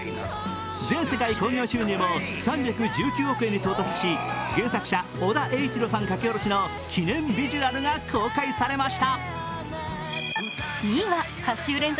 全世界興行収入も３１９億円に到達し、原作者、尾田栄一郎さん描き下ろしの記念ビジュアルが公開されました。